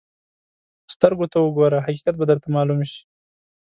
سترګو ته وګوره، حقیقت به درته معلوم شي.